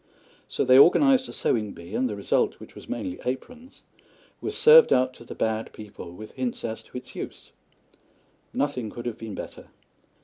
So they organised a sewing bee, and the result, which was mainly aprons, was served out to the Bad People with hints as to its use. Nothing could have been better.